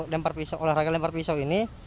lempar olahraga lempar pisau ini